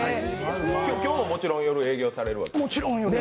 今日ももちろん夜、営業されるわけですよね？